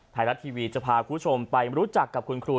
ไทยรัฐทีวีจะพาคุณผู้ชมไปรู้จักกับคุณครู